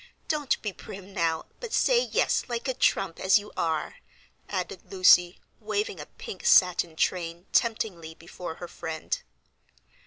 Don't be prim, now, but say yes, like a trump, as you are," added Lucy, waving a pink satin train temptingly before her friend.